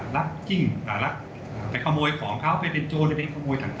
รับจิ้งไปขโมยของเขาไปเป็นโจทย์ไปเป็นขโมยต่าง